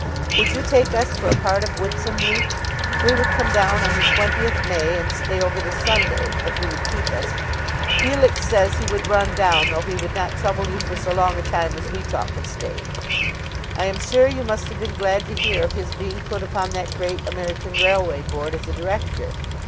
Would you take us for a part of Whitsun week? We would come down on the 20th May and stay over the Sunday if you would keep us. Felix says he would run down though he would not trouble you for so long a time as we talk of staying. I'm sure you must have been glad to hear of his being put upon that Great American Railway Board as a Director.